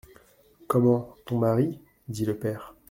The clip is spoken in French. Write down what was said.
Comment ! ton mari ? dit le père.